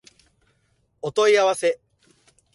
お問い合わせ